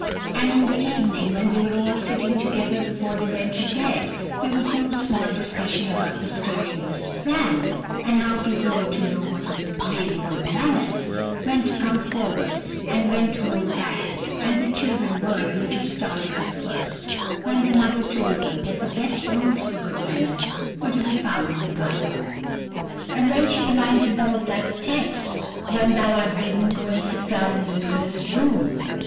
And in the evening, when they were all sitting together before they went to bed, there was no small discussion about the story of Mr. Franz, and how people were to know what was really good manners—when to come forward, and when to hold back—and the children were a little startled at first, when their mother told them that the best rules for good manners were to be found in the Bible. But when she reminded them of that text, "When thou art bidden, go and sit down in the lowest room," &c.